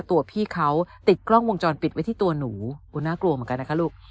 ตัวพี่เขาติดกล้องวงจรปิดไว้ที่ตัวหนูน่ากลัวเหมือนกันนะคะลูก